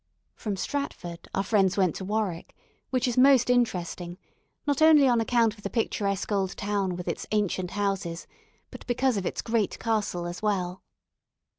From Stratford, our friends went to Warwick, which is most interesting, not only on account of the picturesque old town with its ancient houses, but because of its great castle as well.